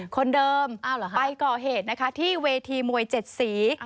คนเดิมไปก่อเหตุนะคะที่เวทีมวย๗สี